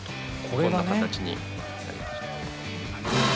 こんな形になりました。